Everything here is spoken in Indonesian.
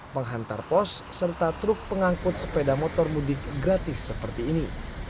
penghantar pos serta truk pengangkut sepeda motor mudik gratis seperti ini